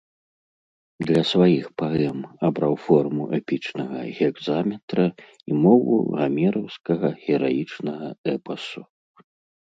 Для сваіх паэм абраў форму эпічнага гекзаметра і мову гамераўскага гераічнага эпасу.